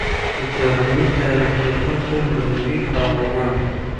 د رومي تاریخ لیکونکي لېوي په وینا